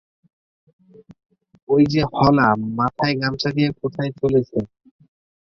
ঐ যে হলা মাথায় গামছা দিয়ে কোথায় চলেছে।